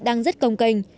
đang rất công cành